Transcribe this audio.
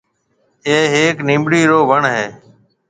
اَي هيَڪ نيمٻڙي رو وڻ هيَ۔